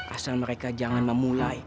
asal mereka jangan memulai